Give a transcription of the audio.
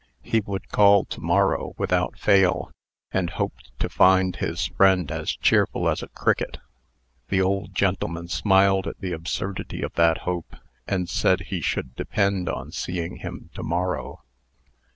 He would call to morrow, without fail, and hoped to find his friend as cheerful as a cricket. The old gentleman smiled at the absurdity of that hope, and said he should depend on seeing him to morrow.